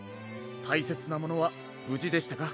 たいせつなものはぶじでしたか？